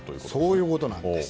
そういうことなんです。